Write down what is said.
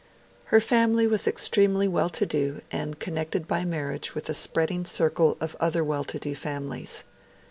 Her family was extremely well to do, and connected by marriage with a spreading circle of other well to do families.